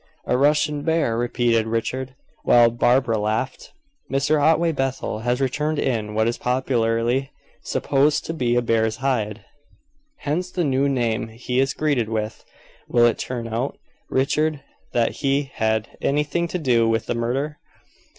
"A Russian bear!" repeated Richard, while Barbara laughed. "Mr. Otway Bethel has returned in what is popularly supposed to be a bear's hide; hence the new name he is greeted with. Will it turn out, Richard that he had anything to do with the murder?"